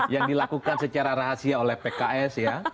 yang dilakukan secara rahasia oleh pks ya